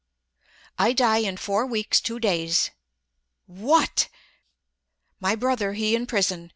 "I die in four weeks, two days!" "What!" "My brother, he in prison.